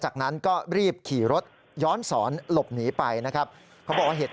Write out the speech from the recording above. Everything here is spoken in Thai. จากนั้นก็รีบขี่รถย้อนสอนหลบหนีไปนะครับเขาบอกว่าเหตุ